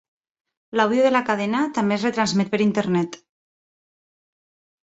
L'àudio de la cadena també es retransmet per internet.